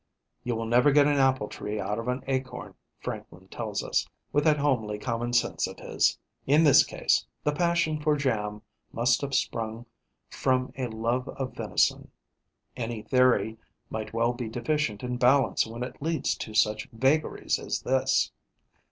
'You will never get an apple tree out of an acorn,' Franklin tells us, with that homely common sense of his. In this case, the passion for jam must have sprung from a love of venison. Any theory might well be deficient in balance when it leads to such vagaries as this.